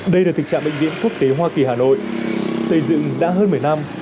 đây là thực trạng bệnh viện quốc tế hoa kỳ hà nội xây dựng đã hơn một mươi năm